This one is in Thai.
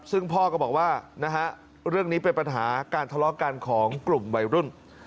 ซึ่งพ่อก็บอกว่านะฮะเรื่องนี้เป็นปัญหาการทะเลาะกันของกลุ่มวัยรุ่น